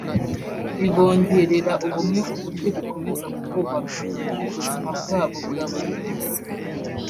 bibongerera ubumwe ku buryo bikomeza kububaka mu buzima bwabo bwa buri munsi